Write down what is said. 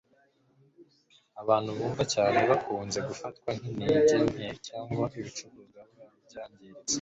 abantu bumva cyane bakunze gufatwa nk'intege nke cyangwa ibicuruzwa byangiritse